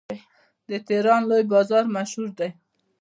د تهران لوی بازار مشهور دی.